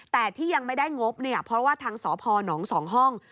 แต่ที่ยังไม่ได้งบเนี่ยเพราะว่าทางสพน๒ห้อง